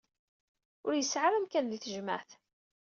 Ur yesɛi ara amkan di tejmaɛt.